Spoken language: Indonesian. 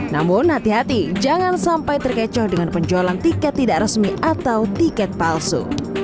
namun hati hati jangan sampai terkecoh dengan penjualan tiket tidak resmi atau tiket palsu